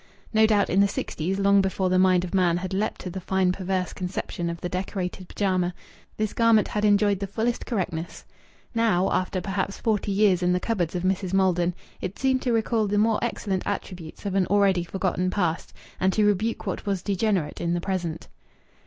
No doubt in the sixties, long before the mind of man had leaped to the fine perverse conception of the decorated pyjama, this garment had enjoyed the fullest correctness. Now, after perhaps forty years in the cupboards of Mrs. Maldon, it seemed to recall the more excellent attributes of an already forgotten past, and to rebuke what was degenerate in the present.